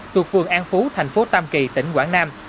thuộc phường an phú thành phố tam kỳ tỉnh quảng nam